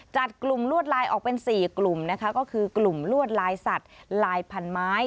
จัดกลุ่มลวดลายออกเป็น๔กลุ่มนะคะก็คือกลุ่มลวดลายสัตว์ลายพันไม้